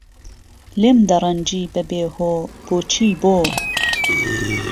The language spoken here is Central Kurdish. لێم دهڕهنجی بهبێهۆ، بۆچی بۆ